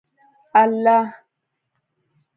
الله